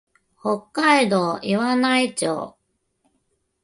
北海道岩内町